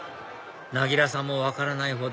なぎらさんも分からないほど